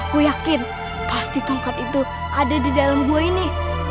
aku yakin pasti tongkat itu ada di dalam gua ini